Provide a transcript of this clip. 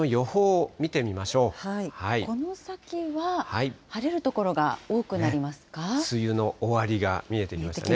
この先は、晴れる所が多くな梅雨の終わりが見えてきましたね。